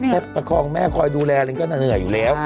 ประคองแม่คอยดูแลอะไรก็เหนื่อยอยู่แล้ว